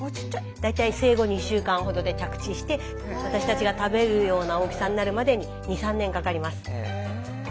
大体生後２週間ほどで着地して私たちが食べるような大きさになるまでに２３年かかります。